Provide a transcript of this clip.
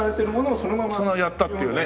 そのままやったっていうね。